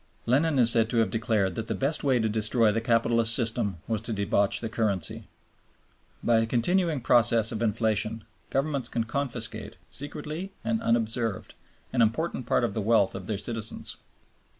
Lenin is said to have declared that the best way to destroy the Capitalist System was to debauch the currency. By a continuing process of inflation, governments can confiscate, secretly and unobserved, an important part of the wealth of their citizens.